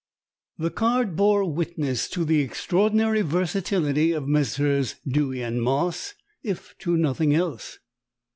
The card bore witness to the extraordinary versatility of Messrs. Dewy and Moss, if to nothing else.